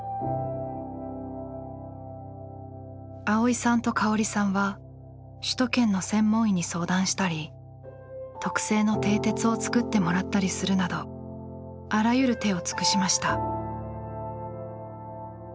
蒼依さんと香織さんは首都圏の専門医に相談したり特製のてい鉄を作ってもらったりするなどあらゆる手を尽くしました。